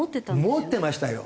持ってましたよ。